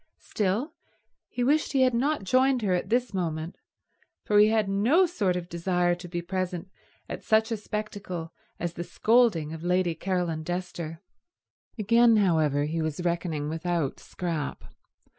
Still, he wished he had not joined her at this moment, for he had no sort of desire to be present at such a spectacle as the scolding of Lady Caroline Dester. Again, however, he was reckoning without Scrap.